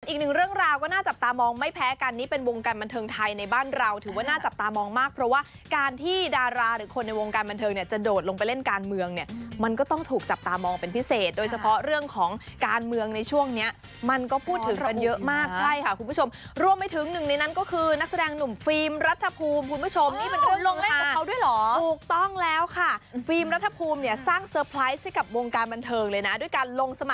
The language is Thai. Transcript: อีกหนึ่งเรื่องราวก็น่าจับตามองไม่แพ้กันนี่เป็นวงการบันเทิงไทยในบ้านเราถือว่าน่าจับตามองมากเพราะว่าการที่ดาราหรือคนในวงการบันเทิงเนี่ยจะโดดลงไปเล่นการเมืองเนี่ยมันก็ต้องถูกจับตามองเป็นพิเศษโดยเฉพาะเรื่องของการเมืองในช่วงเนี้ยมันก็พูดถึงเป็นเยอะมากใช่ค่ะคุณผู้ชมร่วมไปถึงหนึ่